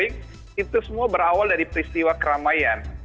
yang monitoring itu semua berawal dari peristiwa keramaian